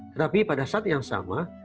tetapi pada saat yang sama